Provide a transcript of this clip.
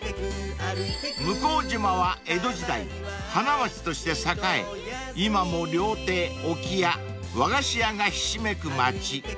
［向島は江戸時代花街として栄え今も料亭置き屋和菓子屋がひしめく町］